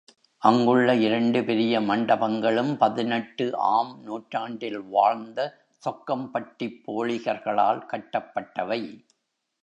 அங்குள்ள இரண்டு பெரிய மண்டபங்களும் பதினெட்டு ஆம் நூற்றாண்டில் வாழ்ந்த சொக்கம்பட்டிப் போளிகர்களால் கட்டப்பட்டவை.